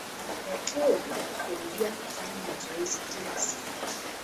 Unatakiwa kurudia kufanya mazoezi kila siku.